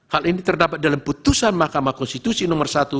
hal ini terdapat dalam putusan mahkamah konstitusi nomor satu